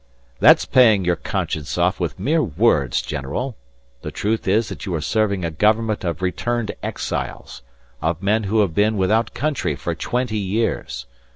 "That's paying your conscience off with mere words, general. The truth is that you are serving a government of returned exiles, of men who have been without country for twenty years.